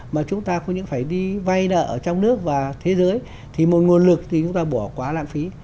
mà chúng ta không phải đi vay nợ ở trong nước và thế giới thì một nguồn lực thì chúng ta bỏ quá lãng phí